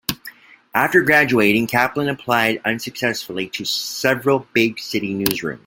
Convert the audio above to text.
After graduating, Kaplan applied unsuccessfully to several big-city newsrooms.